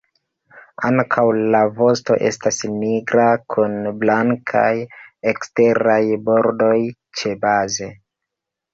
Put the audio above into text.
Ankaŭ la vosto estas nigra kun blankaj eksteraj bordoj ĉebaze.